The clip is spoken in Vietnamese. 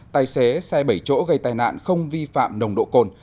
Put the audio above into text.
tài xế xe bảy chỗ gây tai nạn không vi phạm nồng độ cồn